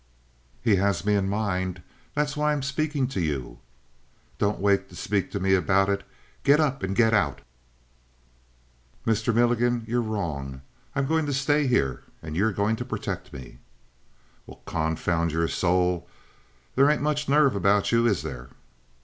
"He has me in mind. That's why I'm speaking to you." "Don't wait to speak to me about it. Get up and get out!" "Mr. Milligan, you're wrong. I'm going to stay here and you're going to protect me." "Well, confound your soul! They ain't much nerve about you, is there?"